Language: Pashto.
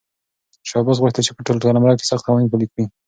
شاه عباس غوښتل چې په ټول قلمرو کې سخت قوانین پلي کړي.